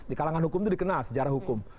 di kalangan hukum itu dikenal sejarah hukum